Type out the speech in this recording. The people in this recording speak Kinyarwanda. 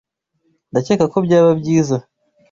Ndakeka ko byaba byiza.